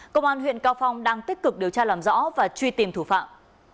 công an huyện cao phong đang tích cực điều tra làm rõ và truy tìm thủ phạm